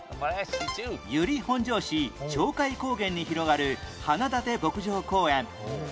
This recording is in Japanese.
由利本荘市鳥海高原に広がる花立牧場公園